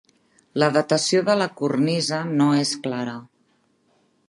La datació de la cornisa no és clara.